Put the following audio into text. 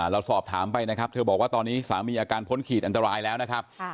เราสอบถามไปนะครับเธอบอกว่าตอนนี้สามีอาการพ้นขีดอันตรายแล้วนะครับ